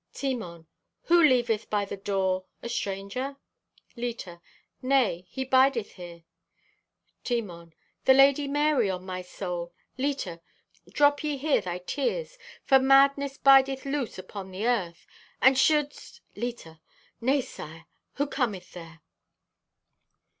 (Timon) "Who leaveth by the door; a stranger?" (Leta) "Nay, He bideth here." (Timon) "The Lady Marye, on my soul! Leta, drop ye here thy tears, for madness bideth loosed upon the earth! And shouldst——" (Leta) "Nay, sire! Who cometh there?"